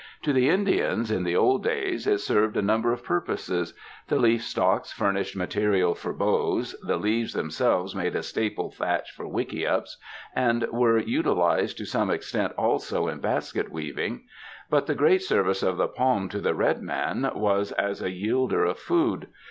To the Indians, in the old days, it served a number of purposes ; the leafstalks furnished material for bows, the leaves themselves made a staple thatch for wickiups, and were utilized to some extent also in basket weaving ; but the great service of the palm to the redmen was as a yielder of food.